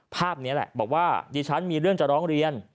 ภาพนี้แหละบอกว่าดิฉันมีเรื่องจะร้องเรียน